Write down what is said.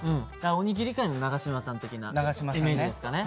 おにぎり界の長嶋さん的なイメージですかね。